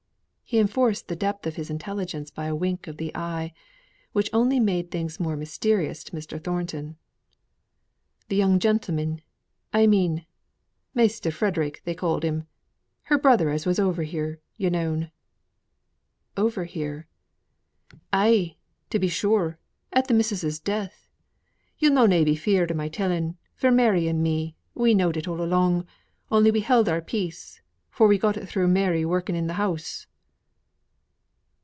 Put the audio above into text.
He enforced the depth of his intelligence by a wink of the eye, which only made things more mysterious to Mr. Thornton. "Th' young gentleman, I mean Master Frederick, they ca'ed him her brother as was over here, yo' known." "Over here." "Ay, to be sure, at th' missus's death. Yo' need na be feared of my telling; for Mary and me, we knowed it all along, only we held our peace, for we got it through Mary working in th' house."